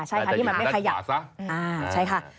อ่าใช่ค่ะ